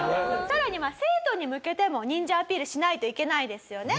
さらに生徒に向けても忍者アピールしないといけないですよね。